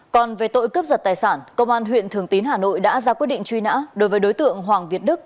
còn về tội cướp giật tài sản công an huyện thường tín hà nội đã ra quyết định truy nã đối với đối tượng hoàng việt đức